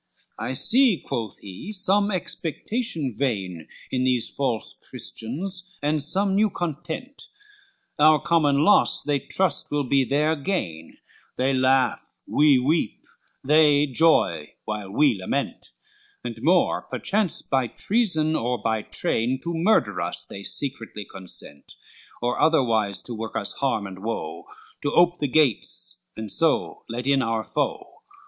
LXXXVI "I see," quoth he, "some expectation vain, In these false Christians, and some new content, Our common loss they trust will be their gain, They laugh, we weep; they joy while we lament; And more, perchance, by treason or by train, To murder us they secretly consent, Or otherwise to work us harm and woe, To ope the gates, and so let in our foe.